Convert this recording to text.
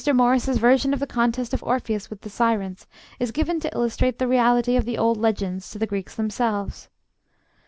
Morris's version of the contest of Orpheus with the Sirens is given to illustrate the reality of the old legends to the Greeks themselves.